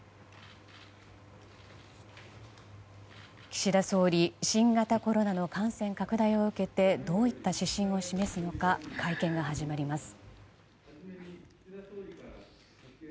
岸田総理、新型コロナの感染拡大を受けてどういった指針を示すのか会見が始まります。